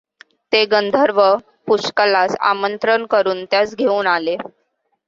ते गंधर्व पुष्कळांस आमंत्रण करून त्यांस घेऊन आले.